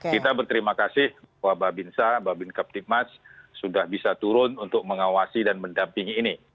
kita berterima kasih bahwa babinsa babin kaptipmas sudah bisa turun untuk mengawasi dan mendampingi ini